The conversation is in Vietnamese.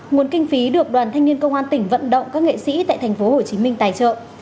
nguồn kinh phí được đoàn thanh niên công an tỉnh vận động các nghệ sĩ tại tp hcm tài trợ